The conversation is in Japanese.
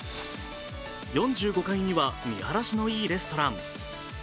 ４５階には見晴らしのいいレストラン。